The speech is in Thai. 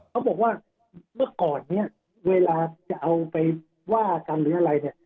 เขาบอกว่าเมื่อก่อนเนี่ยเวลาจะเอาไปว่ากันหรืออะไรเนี่ย